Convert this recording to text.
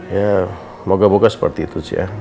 ya moga moga seperti itu sih ya